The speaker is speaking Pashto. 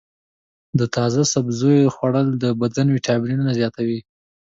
د تازه سبزیو خوړل د بدن ویټامینونه زیاتوي.